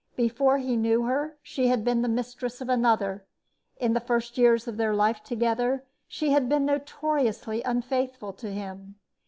Before he knew her she had been the mistress of another. In the first years of their life together she had been notoriously unfaithful to him.